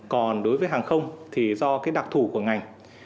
còn đối với hàng không thì do cái đặc thù của ngành